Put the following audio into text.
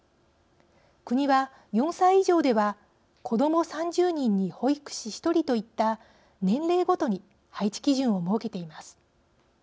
国は４歳以上では子ども３０人に保育士１人といった年齢ごとに配置基準を設けています。